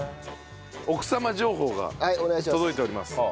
奥様情報が届いております。